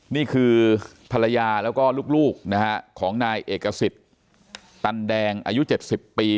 นี่คือภรรยาแล้วก็ลูกนะฮะของนายเอกสิทธิ์ตันแดงอายุ๗๐ปี